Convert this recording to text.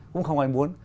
cũng không ai muốn